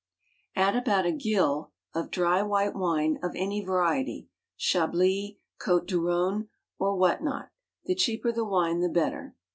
Add about a gill of dry white wine of any variety, — Chablis, Cotes du Rhone o)> what not, — the cheaper the wine the better.